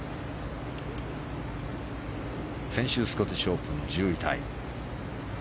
先週スコティッシュオープン１０位タイ。